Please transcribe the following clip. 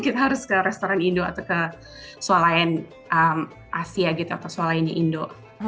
kita harus ke restoran indo atau ke soal lain asia gitu atau sual lainnya indo